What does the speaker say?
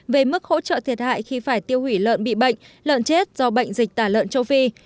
về mức hỗ trợ thiệt hại khi phải tiêu hủy lợn bị bệnh lợn chết do bệnh dịch tả lợn châu phi